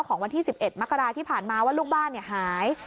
ของวันที่๑๑มกราที่ผ่านมาว่าลูกบ้านหาย